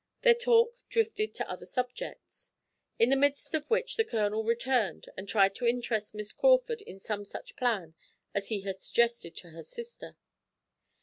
Their talk drifted to other subjects, in the midst of which the Colonel returned and tried to interest Miss Crawford in some such plan as he had suggested to her sister.